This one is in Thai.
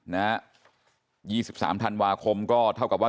๒๓ธันวาคมก็เท่ากับว่า